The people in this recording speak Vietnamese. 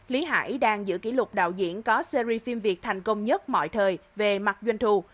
lý hải đang giữ kỷ lục đạo diễn có series phim việt thành công nhất mọi thời về mặt doanh thu